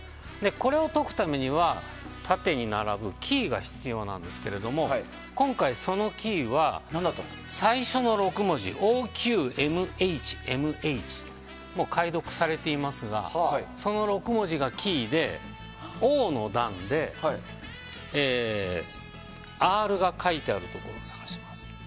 これを解くためには縦に並ぶキーが必要なんですが今回、そのキーは最初の６文字ＯＱＭＨＭＨもう解読されていますがその６文字がキーで、Ｏの段でＲが書いてあるところを探します。